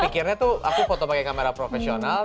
mikirnya tuh aku foto pakai kamera profesional